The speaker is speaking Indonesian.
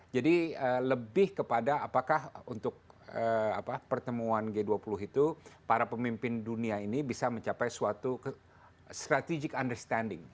jadi lebih kepada apakah untuk pertemuan g dua puluh itu para pemimpin dunia ini bisa mencapai suatu strategic understanding